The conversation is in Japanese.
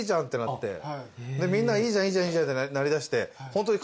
みんな「いいじゃんいいじゃん」ってなりだして。